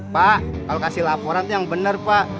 pak kalau kasih laporan itu yang benar pak